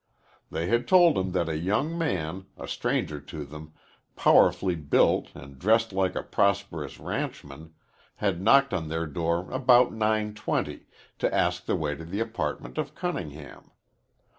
They had told him that a young man, a stranger to them, powerfully built and dressed like a prosperous ranchman, had knocked on their door about 9.20 to ask the way to the apartment of Cunningham.